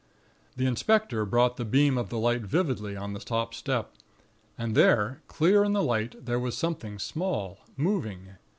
"The inspector brought the beam of the light vividly on the top step; and there, clear in the light, there was something small, moving.